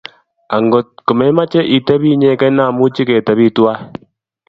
Angot komemoche itepi inyegei, amuchi ketepi tuwai.